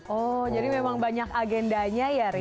oh jadi memang banyak agendanya ya ri